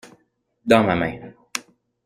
Dans ma main.